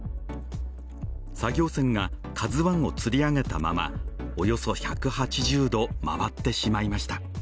作業船が「ＫＡＺＵⅠ」をつり上げたまま、およそ１８０度回ってしまいました。